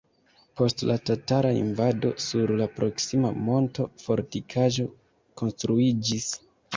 Post la tatara invado sur la proksima monto fortikaĵo konstruiĝis.